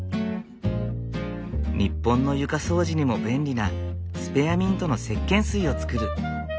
日本の床掃除にも便利なスペアミントのせっけん水を作る。